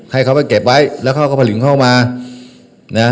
ให้เขาไปเก็บไว้แล้วเขาก็ผลิงเข้ามานะ